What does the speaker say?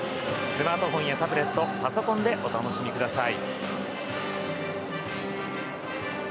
スマートフォンやタブレットパソコンでお楽しみください。